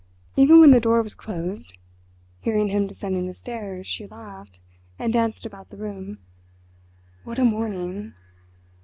Even when the door was closed, hearing him descending the stairs, she laughed, and danced about the room. What a morning!